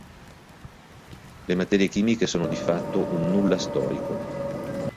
Le materie chimiche sono di fatto un "nulla storico".